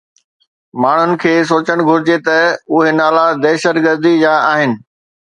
ماڻهن کي سوچڻ گهرجي ته اهي نالا دهشتگردي جا آهن